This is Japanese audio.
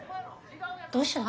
どうしたん？